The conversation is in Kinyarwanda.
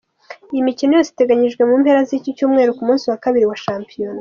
Imikino yose iteganyijwe mu mpera z’icyumweru ku munsi wa kabiri wa Shampiyona:.